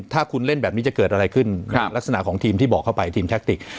ถ้าคุณเล่นแบบนี้จะเกิดอะไรขึ้นลักษณะของทีมที่บอกเข้าไปทีมแทคติก